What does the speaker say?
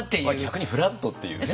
逆にフラットっていうね。